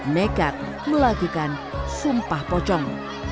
mekat melakukan sumpah pocong